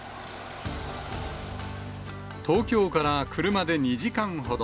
東京から車で２時間ほど。